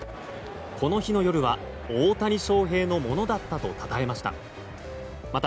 この日の夜は大谷翔平のものだったとたたえました。